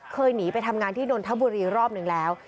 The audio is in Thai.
หนีไปทำงานที่นนทบุรีรอบหนึ่งแล้ว